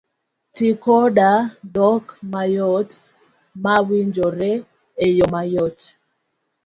Tii koda dhok mayot mawinjore eyo mayot